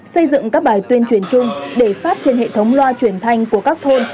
xây dựng các bài tuyên truyền chung để phát trên hệ thống loa truyền thanh của các thôn